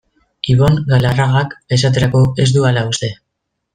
Ibon Galarragak, esaterako, ez du hala uste.